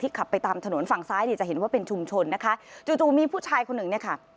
ขับไปตามถนนฝั่งซ้ายเนี่ยจะเห็นว่าเป็นชุมชนนะคะจู่จู่มีผู้ชายคนหนึ่งเนี่ยค่ะ